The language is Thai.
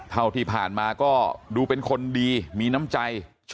เท่าที่ผ่านมาก็ดูเป็นคนดีมีน้ำใจ